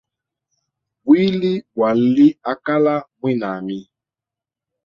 Bwili bwali akala mwinami.